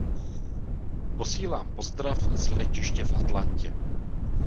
Posílám pozdrav z letiště v Atlantě.